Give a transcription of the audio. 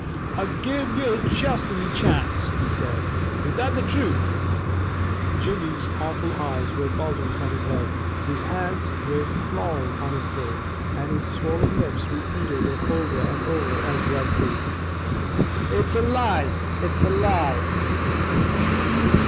"I'll give ye juist ane chance," he said. "IS THAT THE TRUTH?" Jimmy's awful eyes were bulging from his head, his hands were clawing at Dannie's on his throat, and his swollen lips repeated it over and over as breath came, "It's a lie! It's a lie!"